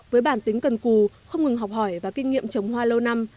với bản tính cần cù không ngừng học hỏi và kinh nghiệm trồng hoa lâu năm